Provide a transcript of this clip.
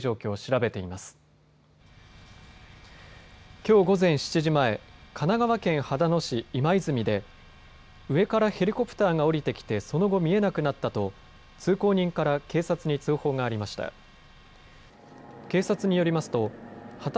きょう午前７時前、神奈川県秦野市今泉で上からヘリコプターがおりてきてその後、見えなくなったと通行人から警察に通報がありました。